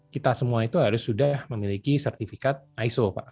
kita semua itu harus sudah memiliki sertifikat iso pak